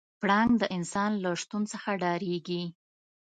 پړانګ د انسان له شتون څخه ډارېږي.